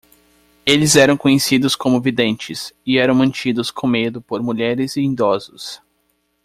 Eles eram conhecidos como videntes? e eram mantidos com medo por mulheres e idosos.